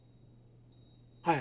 はい。